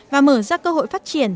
và mở ra cơ hội phát triển